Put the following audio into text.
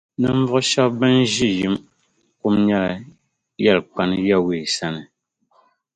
Ninvuɣ’ shɛb’ bɛn ʒe yim kum nyɛla yɛlikpani Yawɛ sani.